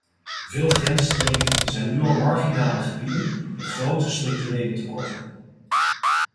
Veel grensstreken zijn nu al marginale gebieden met grote structurele tekorten.